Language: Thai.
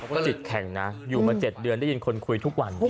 ก็จิตแข็งนะอยู่มา๗เดือนได้ยินคนคุยทุกวัน